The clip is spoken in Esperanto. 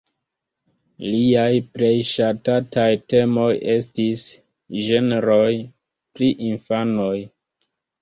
Liaj plej ŝatataj temoj estis ĝenroj pri infanoj.